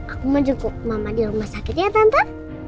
aku mau jenguk mama di rumah sakit ya tante